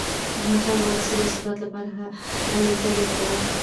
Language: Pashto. احمدشاه بابا د سولې او ثبات لپاره هلي ځلي کولي.